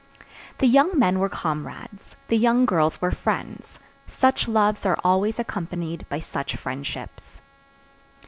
The young men were comrades; the young girls were friends. Such loves are always accompanied by such friendships.